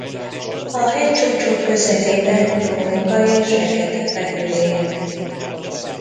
A hegycsúcsok közelében boróka és feketefenyő él.